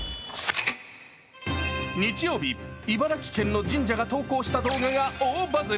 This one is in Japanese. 日曜日、茨城県の神社が投稿した動画が大バズり。